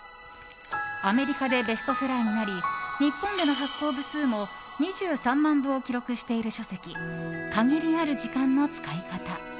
アメリカでベストセラーになり日本での発行部数も２３万部を記録している書籍「限りある時間の使い方」。